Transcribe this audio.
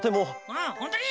うんほんとに？